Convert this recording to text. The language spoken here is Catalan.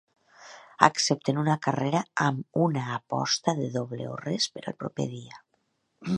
Accepten una carrera amb una aposta de doble o res per al proper dia.